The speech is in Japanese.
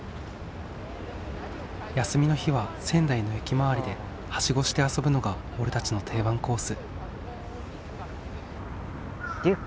休みの日は仙台の駅周りでハシゴして遊ぶのが俺たちの定番コース。